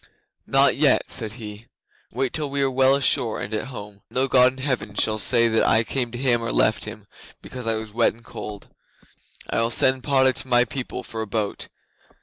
'"Not yet," said he. "Wait till we are well ashore and at home. No God in any Heaven shall say that I came to him or left him because I was wet and cold. I will send Padda to my people for a boat.